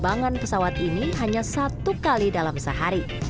penerbangan pesawat ini hanya satu kali dalam sehari